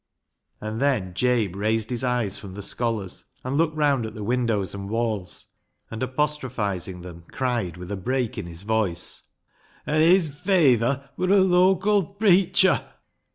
And then Jabe raised his eyes from the scholars and looked round at the windows and walls, and apostrophising them, cried, with a break in his voice —*' An' his fayther wur a local preicher